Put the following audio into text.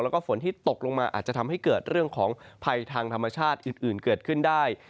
แล้วก็ฝนที่ตกลงมาอาจจะทำให้เกิดเรื่องของภัยทางธรรมชาติอื่นเกิดขึ้นได้